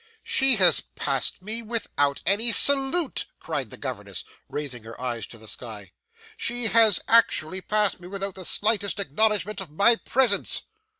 'She has passed me without any salute!' cried the governess, raising her eyes to the sky. 'She has actually passed me without the slightest acknowledgment of my presence!